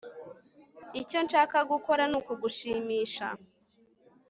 Icyo nshaka gukora nukugushimisha